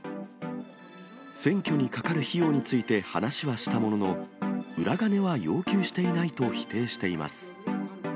選挙にかかる費用について話はしたものの、裏金は要求していないと否定しています。